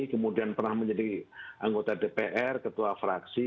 kemudian pernah menjadi anggota dpr ketua fraksi